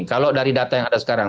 kalau dari data yang ada sekarang